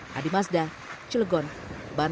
hadi mazda cilgon banten